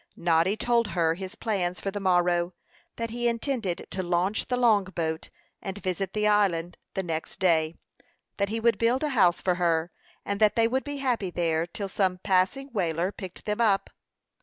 Noddy told her his plans for the morrow; that he intended to launch the long boat, and visit the island the next day; that he would build a house for her; and that they would be happy there till some passing whaler picked them up.